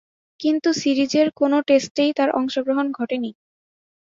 কিন্তু সিরিজের কোন টেস্টেই তার অংশগ্রহণ ঘটেনি।